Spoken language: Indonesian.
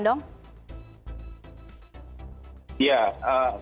tidak bisa disamakan dong